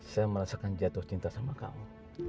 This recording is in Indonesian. saya merasakan jatuh cinta sama kamu